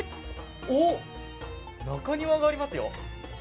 おっ、中庭がありますよ。